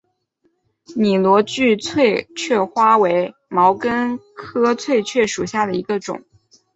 拟螺距翠雀花为毛茛科翠雀属下的一个种。